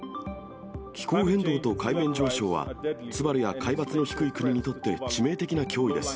気候変動と海面上昇は、ツバルや海抜の低い国にとって致命的な脅威です。